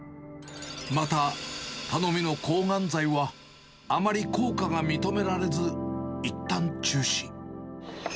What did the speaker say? また、頼みの抗がん剤はあまり効果が認められず、いったん中止。